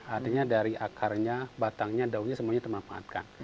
artinya dari akarnya batangnya daunnya semuanya termanfaatkan